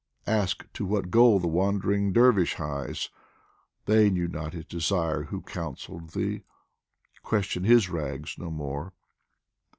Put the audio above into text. Ask to what goal the wandering dervish hies, They knew not his desire who counselled thee : Question his rags no more